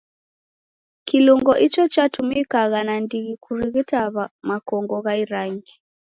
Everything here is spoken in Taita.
Kilungo icho chatumikagha nandighi kurighita makongo gha irangi.